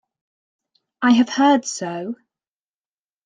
I have heard so.